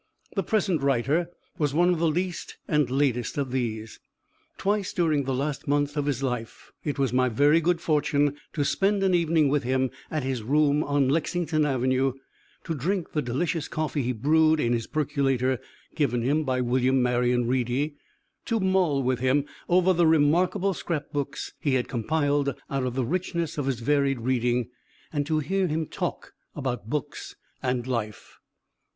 The present writer was one of the least and latest of these. Twice, during the last months of his life, it was my very good fortune to spend an evening with him at his room on Lexington Avenue, to drink the delicious coffee he brewed in his percolator given him by William Marion Reedy, to mull with him over the remarkable scrap books he had compiled out of the richness of his varied reading, and to hear him talk about books and life.